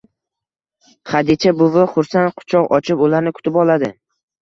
Xadicha buvi xursand quchoq ochib ularni kutib oladi.